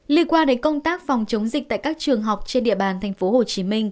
lý qua đến công tác phòng chống dịch tại các trường học trên địa bàn tp hcm